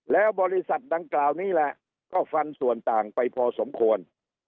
แล้วบริษัทดังกล่าวนี้แหละก็ฟันส่วนต่างไปพอสมควร